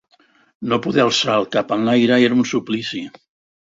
No poder alçar el cap enlaire era un suplici